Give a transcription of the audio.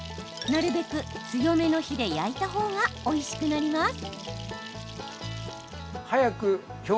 なるべく強めの火で焼いたほうがおいしくなります。